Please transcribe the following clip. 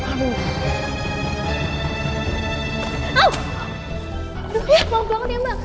aduh enak banget ya mbak